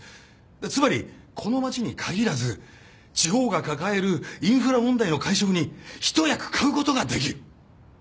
つまりこの町に限らず地方が抱えるインフラ問題の解消に一役買うことができる。